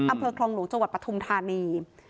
อำเภอคลองหลุงจปฐมธานี